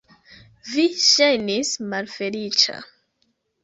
Vi ŝajnis malfeliĉa.